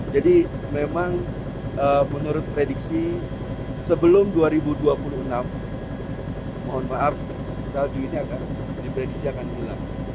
jadi memang menurut prediksi sebelum dua ribu dua puluh enam mohon maaf salju ini akan diprediksi akan gula